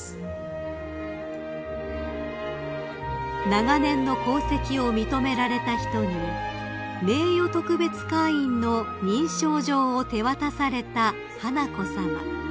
［長年の功績を認められた人に名誉特別会員の認証状を手渡された華子さま］